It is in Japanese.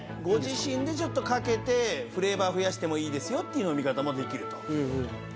ご自身でちょっとかけてフレーバー増やしてもいいですよっていう飲み方もできると。